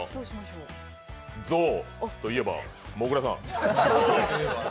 象と言えば、もぐらさん。